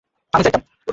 আমিও ঠিক আছি।